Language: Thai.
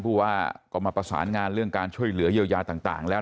ผู้ว่าก็มาประสานงานเรื่องการช่วยเหลือเยียวยาต่างแล้ว